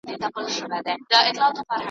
هر ماښام به وو ستومان کورته راغلی .